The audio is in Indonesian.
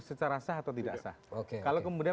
secara sah atau tidak sah kalau kemudian